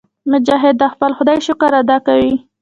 مجاهد د خپل خدای شکر ادا کوي.